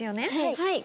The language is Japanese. はい。